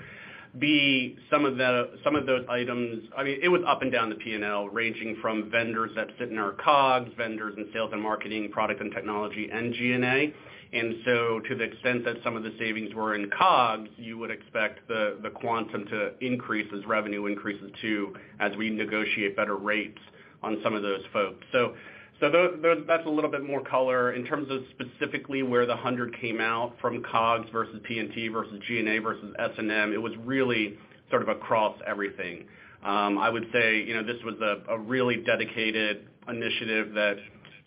[SPEAKER 4] B, some of those items. I mean, it was up and down the P&L, ranging from vendors that sit in our COGS, vendors in sales and marketing, product and technology, and G&A. To the extent that some of the savings were in COGS, you would expect the quantum to increase as revenue increases too, as we negotiate better rates on some of those folks. That's a little bit more color. In terms of specifically where the 100 came out from COGS versus P&T versus G&A versus S&M, it was really sort of across everything. I would say, you know, this was a really dedicated initiative that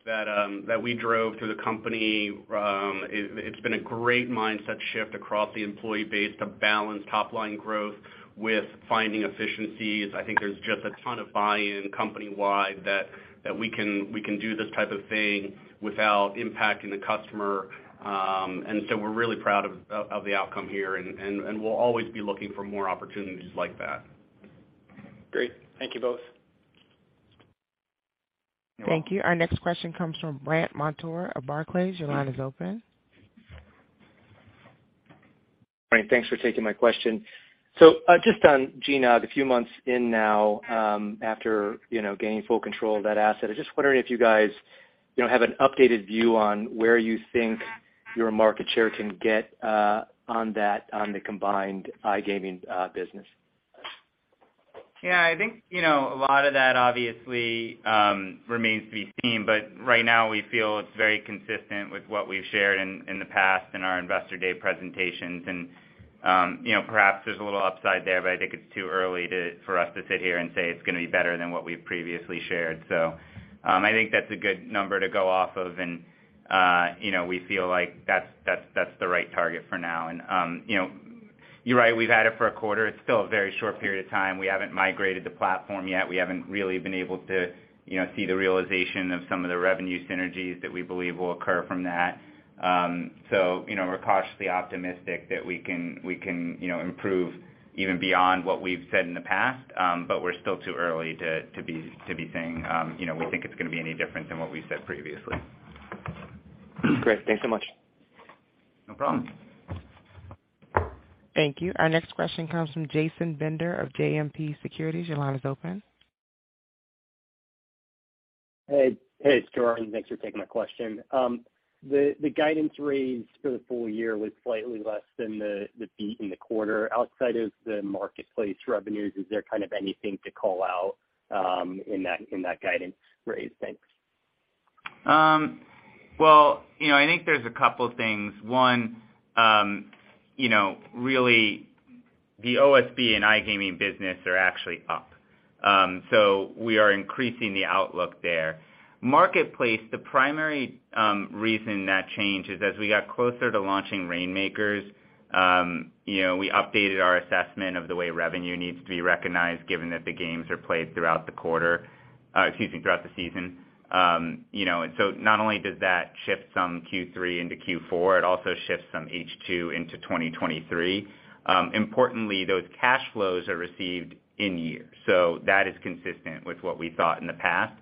[SPEAKER 3] That we drove through the company. It's been a great mindset shift across the employee base to balance top-line growth with finding efficiencies. I think there's just a ton of buy-in company-wide that we can do this type of thing without impacting the customer. We're really proud of the outcome here, and we'll always be looking for more opportunities like that.
[SPEAKER 17] Great. Thank you both.
[SPEAKER 1] Thank you. Our next question comes from Brandt Montour of Barclays. Your line is open.
[SPEAKER 18] Thanks for taking my question. Just on GNOG, a few months in now, after you know, gaining full control of that asset. I'm just wondering if you guys, you know, have an updated view on where you think your market share can get, on that, on the combined iGaming business.
[SPEAKER 3] Yeah, I think, you know, a lot of that obviously remains to be seen, but right now we feel it's very consistent with what we've shared in the past in our Investor Day presentations. You know, perhaps there's a little upside there, but I think it's too early for us to sit here and say it's gonna be better than what we've previously shared. I think that's a good number to go off of and, you know, we feel like that's the right target for now. You know, you're right, we've had it for a quarter. It's still a very short period of time. We haven't migrated the platform yet. We haven't really been able to, you know, see the realization of some of the revenue synergies that we believe will occur from that. You know, we're cautiously optimistic that we can, you know, improve even beyond what we've said in the past. We're still too early to be saying, you know, we think it's gonna be any different than what we said previously.
[SPEAKER 18] Great. Thanks so much.
[SPEAKER 3] No problem.
[SPEAKER 1] Thank you. Our next question comes from Jordan Bender of JMP Securities. Your line is open.
[SPEAKER 19] Hey, hey, it's Jordan. Thanks for taking my question. The guidance raise for the full year was slightly less than the beat in the quarter. Outside of the marketplace revenues, is there kind of anything to call out in that guidance raise? Thanks.
[SPEAKER 3] Well, you know, I think there's a couple things. One, you know, really the OSB and iGaming business are actually up. We are increasing the outlook there. Marketplace, the primary reason that changed is as we got closer to launching Reignmakers, you know, we updated our assessment of the way revenue needs to be recognized given that the games are played throughout the season. You know, and so not only does that shift some Q3 into Q4, it also shifts some H2 into 2023. Importantly, those cash flows are received in year, so that is consistent with what we thought in the past.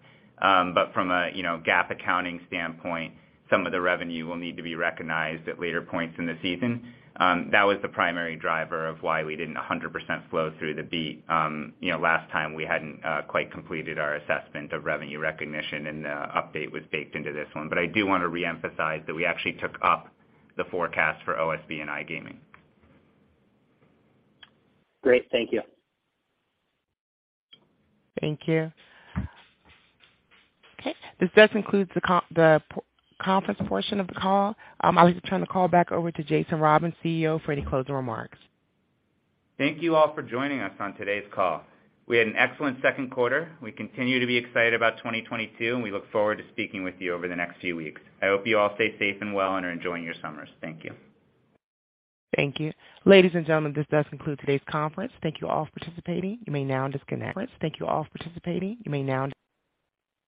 [SPEAKER 3] From a, you know, GAAP accounting standpoint, some of the revenue will need to be recognized at later points in the season. That was the primary driver of why we didn't 100% flow through the beat. You know, last time we hadn't quite completed our assessment of revenue recognition, and the update was baked into this one. I do wanna reemphasize that we actually took up the forecast for OSB and iGaming.
[SPEAKER 19] Great. Thank you.
[SPEAKER 1] Thank you. Okay. This does conclude the conference portion of the call. I'll just turn the call back over to Jason Robins, CEO, for any closing remarks.
[SPEAKER 3] Thank you all for joining us on today's call. We had an excellent second quarter. We continue to be excited about 2022, and we look forward to speaking with you over the next few weeks. I hope you all stay safe and well and are enjoying your summers. Thank you.
[SPEAKER 1] Thank you. Ladies and gentlemen, this does conclude today's conference. Thank you all for participating. You may now disconnect.